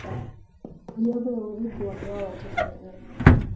Mojawapo ya urithi wapewao watoto ni ardhi